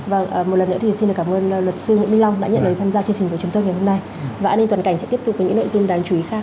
vâng một lần nữa thì xin được cảm ơn luật sư nguyễn minh long đã nhận lời tham gia chương trình của chúng tôi ngày hôm nay và an ninh toàn cảnh sẽ tiếp tục với những nội dung đáng chú ý khác